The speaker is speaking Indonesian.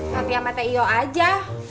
tapi sama t i o aja